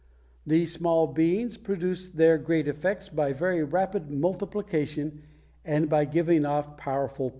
These small beings produce their great effects by very rapid multiplication and by giving off powerful poisons.